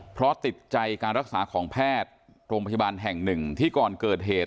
เพราะติดใจการรักษาของแพทย์โรงพยาบาลแห่งหนึ่งที่ก่อนเกิดเหตุ